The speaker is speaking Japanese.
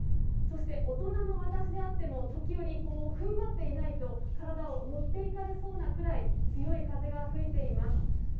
そして大人の私であっても、時折ふんばっていないと、体を持っていかれそうなくらい、強い風が吹いています。